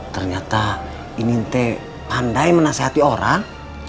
ternyata inin teh pandai menasehati orang